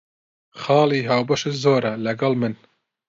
خاڵی هاوبەشت زۆرە لەگەڵ من.